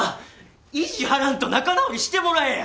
意地張らんと仲直りしてもらえや！